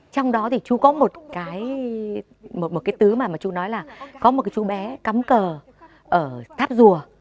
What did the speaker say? trong đó thì chú có một cái một cái tứ mà chú nói là có một cái chú bé cắm cờ ở tháp rùa